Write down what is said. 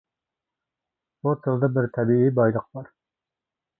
بۇ تىلدا بىر تەبىئىي بايلىق بار.